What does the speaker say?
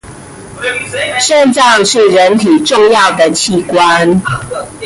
腎臟是人體重要的器官